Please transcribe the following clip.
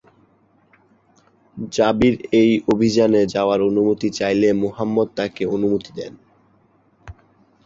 জাবির এই অভিযানে যাওয়ার অনুমতি চাইলে মুহাম্মাদ তাকে অনুমতি দেন।